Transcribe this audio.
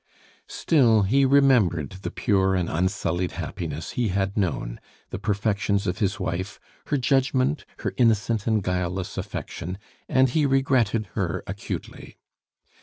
Still, he remembered the pure and unsullied happiness he had known, the perfections of his wife, her judgment, her innocent and guileless affection, and he regretted her acutely.